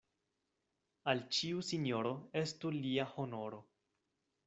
Al ĉiu sinjoro estu lia honoro.